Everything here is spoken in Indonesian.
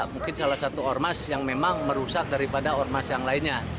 mungkin salah satu ormas yang memang merusak daripada ormas yang lainnya